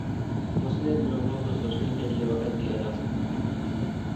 مسلح گروہوں کو سوچنے کے لیے وقت دیا جا سکتا ہے۔